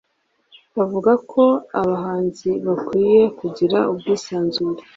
avuga ko abahanzi bakwiye kugira ubwisanzure